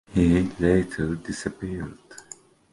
He later disappeared.